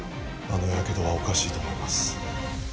あのやけどはおかしいと思います